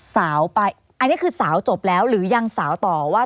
สาวไปอันนี้คือสาวจบแล้วหรือยังสาวต่อว่า